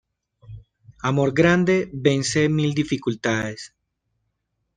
Amor grande, vence mil dificultades.